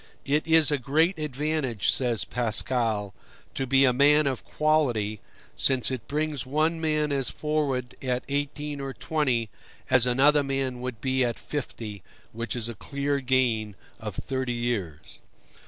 "It is a great advantage," says Pascal, "to be a man of quality, since it brings one man as forward at eighteen or twenty as another man would be at fifty, which is a clear gain of thirty years."